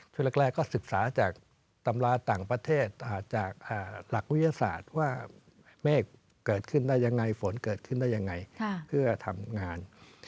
ช่วงแรกก็ศึกษาจากตำราต่างประเทศจากหลักวิทยาศาสตร์ว่าเมฆเกิดขึ้นได้ยังไงฝนเกิดขึ้นได้ยังไงเพื่อทำงาน